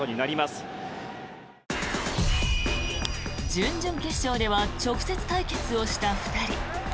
準々決勝では直接対決をした２人。